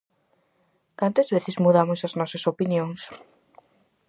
Cantas veces mudamos as nosas opinións?